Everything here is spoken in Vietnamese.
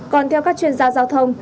còn theo các chuyên gia giao thông